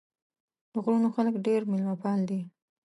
د غرونو خلک ډېر مېلمه پال دي.